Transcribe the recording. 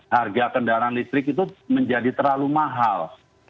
harga kendaraan listrik itu menjadi terlalu mahal